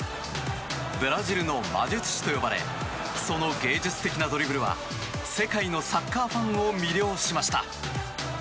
ブラジルの魔術師と呼ばれその芸術的なドリブルは世界のサッカーファンを魅了しました。